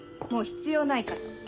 もう必要ないかと。